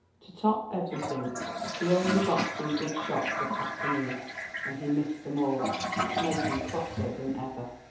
To top everything, he only got three good shots that afternoon, and he missed them all, which made him crosser than ever.